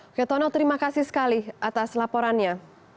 oke tono terima kasih sekali atas laporannya